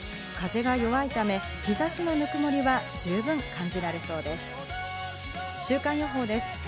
風が弱いため日差しのぬくもりは十分感じられそうです。